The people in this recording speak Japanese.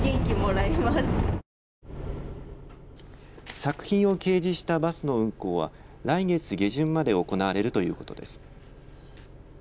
作品を掲示したバスの運行は来月下旬まで行われるということです。